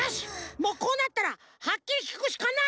もうこうなったらはっきりきくしかない！